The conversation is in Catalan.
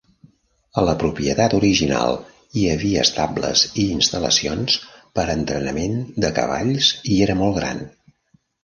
A la propietat original hi havia estables i instal·lacions per a entrenament de cavalls i era molt gran.